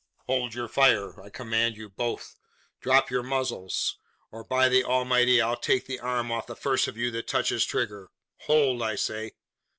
"Hold your fire I command you both. Drop your muzzles; or by the Almighty I'll take the arm off the first of you that touches trigger! Hold, I say!"